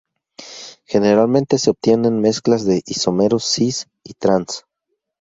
Generalmente se obtienen mezclas de isómeros "cis" y "trans".